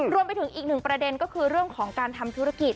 รวมไปถึงอีกหนึ่งประเด็นก็คือเรื่องของการทำธุรกิจ